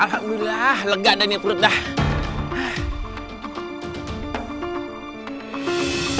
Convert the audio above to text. alhamdulillah lega dan nih perut dah